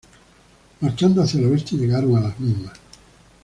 Marchando hacia el oeste llegaron a las mismas.